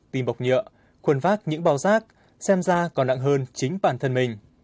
tìm bọc nhựa khuẩn phát những bào rác xem ra còn nặng hơn chính bản thân mình